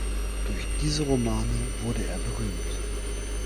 Durch diese Romane wurde er berühmt.